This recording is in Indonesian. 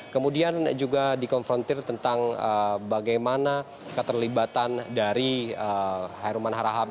kemudian juga dikonfrontir tentang bagaimana keterlibatan dari herman harahap